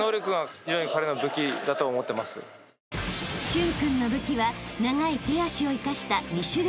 ［駿君の武器は長い手足を生かした］